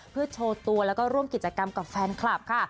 เพื่อโชว์ตัวแล้วก็ร่วมกิจกรรมกับแฟนคลับค่ะ